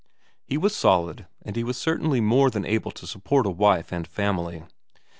He was solid, and he was certainly more than able to support a wife and family.